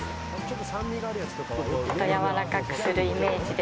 やわらかくするイメージで。